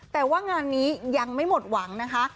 แต่ว่างานนี้ยังไม่หมดหวังนะคะ